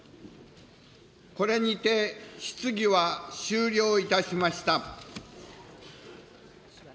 これにて質疑は終了いたしました。